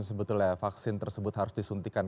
sebetulnya vaksin tersebut harus disuntikan